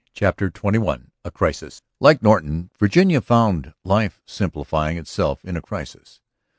CHAPTER XXI A CRISIS Like Norton, Virginia found life simplifying itself in a crisis.